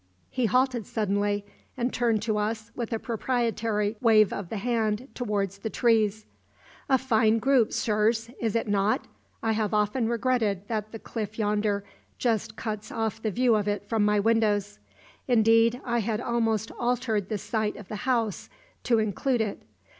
He halted suddenly, and turned to us with a proprietary wave of the hand towards the trees. "A fine group, sirs, is it not? I have often regretted that the cliff yonder just cuts off the view of it from my windows. Indeed, I had almost altered the site of the house to include it.